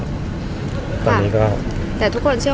ภาษาสนิทยาลัยสุดท้าย